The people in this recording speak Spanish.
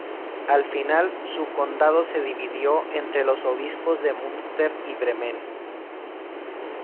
Al final, su condado se dividió entre los obispos de Münster y Bremen.